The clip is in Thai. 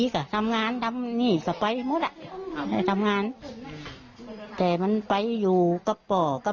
กำลังออกไปทำงานแต่มันไปอยู่ก็